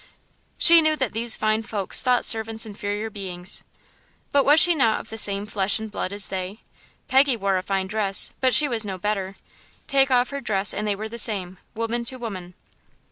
She knew that these fine folk thought servants inferior beings. But was she not of the same flesh and blood as they? Peggy wore a fine dress, but she was no better; take off her dress and they were the same, woman to woman.